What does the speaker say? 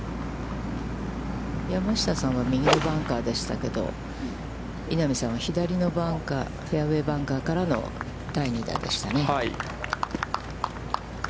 山下さんは右のバンカーでしたけれども、稲見さんは、左のバンカー、フェアウェイバンカーからの第２打でしたね。